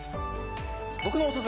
僕のオススメ